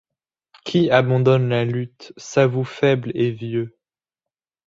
Qui abandonne la lutte s'avoue faible et vieux.